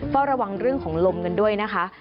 เฝ้าระวังเรื่องของลมกันด้วยนะคะ